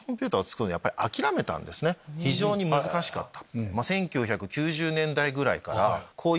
非常に難しかった。